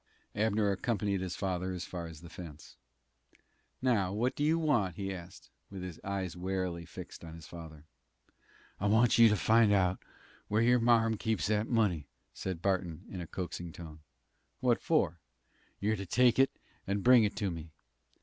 Abner accompanied his father as far as the fence. "Now, what do you want?" he asked, with his eyes warily fixed on his father. "I want you to find out where your marm keeps that money," said Barton, in a coaxing tone. "What for?" "You're to take it and bring it to me."